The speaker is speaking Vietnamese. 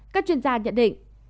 các chuyên gia nhận định